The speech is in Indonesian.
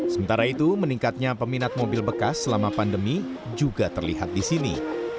sementara itu meningkatnya peminat mobil bekas selama pandemi juga terlihat di sini